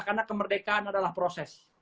karena kemerdekaan adalah proses